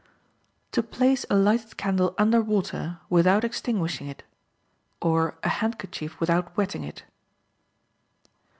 To Place a Lighted Candle Under Water, Without Extinguishing It; Or a Handkerchief Without Wetting It.